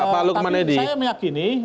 pak lukman edi